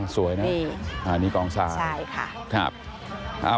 สวยนะอันนี้กองสายใช่ค่ะ